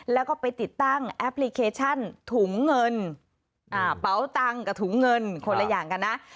แล้วก็ไปติดตั้งแอปพลิเคชันถุงเงินเป๋าตังค์กับถุงเงินคนละอย่างกันนะ